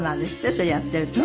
それやっていると。